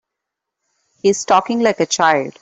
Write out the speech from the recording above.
He's talking like a child.